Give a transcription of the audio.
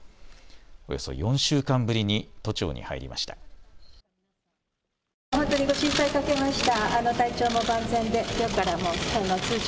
およそ４週間ぶりに都庁に入りました。